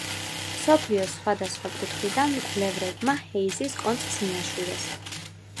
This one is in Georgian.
მსოფლიოს სხვადასხვა კუთხიდან მკვლევრებმა ჰეიზის კონცხს მიაშურეს.